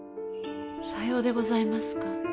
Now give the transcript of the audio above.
さようでございますか。